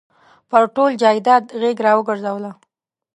پر ټول جایداد غېږ را ورګرځوله.